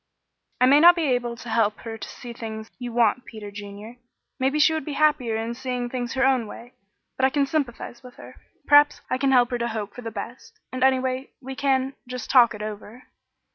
"I may not be able to help her to see things you want, Peter Junior. Maybe she would be happier in seeing things her own way; but I can sympathize with her. Perhaps I can help her to hope for the best, and anyway we can just talk it over."